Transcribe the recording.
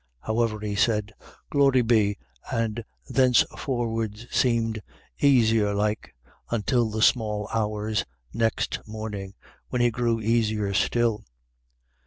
However he said, " Glory be," and thenceforward seemed "aisier like" until the small hours next morning, when he grew easier still.